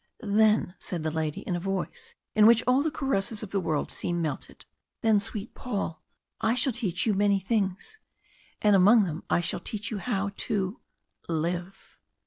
"Then," said the lady in a voice in which all the caresses of the world seemed melted, "then, sweet Paul, I shall teach you many things, and among them I shall teach you how to LIVE."